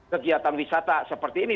kegiatan wisata seperti ini